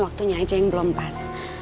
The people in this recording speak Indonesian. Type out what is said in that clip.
waktunya aja yang belum pas